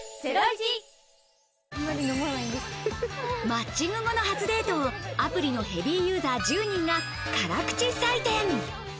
マッチング後の初デートをアプリのヘビーユーザー１０人が辛口採点。